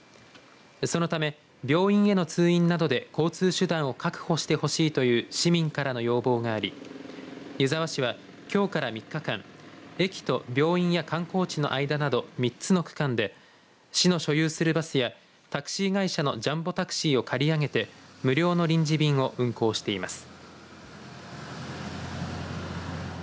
そのため、病院への通院などで交通手段を確保してほしいという市民からの要望があり湯沢市はきょうから３日間駅と病院や観光地の間など３つの区間で市の所有するバスやタクシー会社のジャンボタクシーを借り上げて無料の臨時便を運行しています。